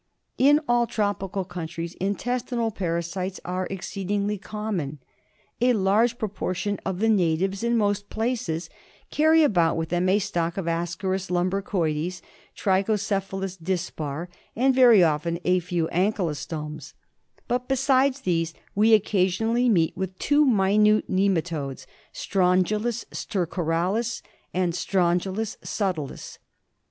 In all tropical countries intestinal parasites are ex ceedingly common. A large proportion of the natives in most places carry about with them a stock of Ascaris lumbricoides, Trtcocephalus dispar, and very often a few ankylostomes ; but besides these we occasionally meet with two minute nematodes — Strongylus stercoralis and Strongylus subtilis.